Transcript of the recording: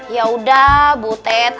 ya udah butet